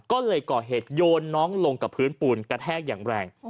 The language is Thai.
ก็เลยก่อเหตุโยนน้องลงกับพื้นปูนกระแทกอย่างแรง